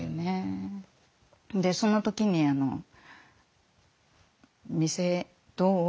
でその時にあの「店どう？